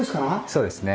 そうですね。